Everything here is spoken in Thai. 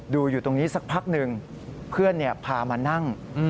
อยู่ตรงนี้สักพักหนึ่งเพื่อนพามานั่ง